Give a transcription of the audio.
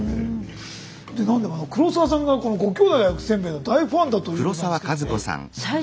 何でも黒沢さんがこのご兄弟が焼くせんべいの大ファンだということなんですけども。